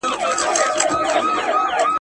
زه بايد انځورونه رسم کړم،